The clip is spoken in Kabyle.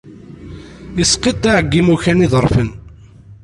Isqiṭṭiɛ deg yimukan iḍerfen.